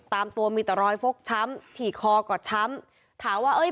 ตามตัวมีแต่รอยฟกช้ำถี่คอกอดช้ำถามว่าเอ้ย